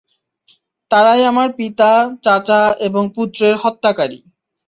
তারাই আমার পিতা, চাচা এবং পুত্রের হত্যাকারী।